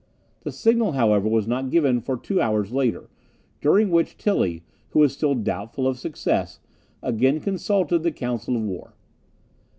The signal, however, was not given for two hours later, during which Tilly, who was still doubtful of success, again consulted the council of war.